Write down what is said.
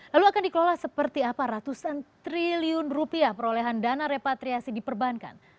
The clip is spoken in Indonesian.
lalu akan dikelola seperti apa ratusan triliun rupiah perolehan dana repatriasi di perbankan